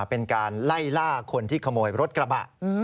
เป็นการไล่ล่าคนที่ขโมยรถกระบะ